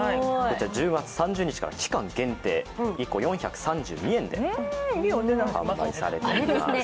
１０月３０日から期間限定１個４３２円で販売されてます。